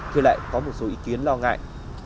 thì lại có một số ý kiến lo ngại